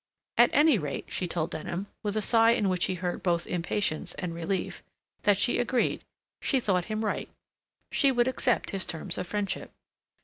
At any rate, she told Denham, with a sigh in which he heard both impatience and relief, that she agreed; she thought him right; she would accept his terms of friendship.